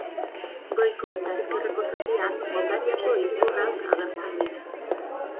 Goiko eta ezkerreko zatian, Moldaviako ikurrak agertzen dira.